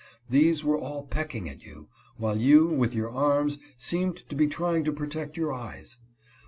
These were all pecking at you, while you, with your arms, seemed to be trying to protect your eyes.